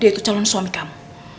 dia itu calon suami kamu